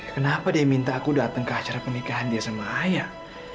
kenapa dia minta aku datang ke acara pernikahan dia sama ayah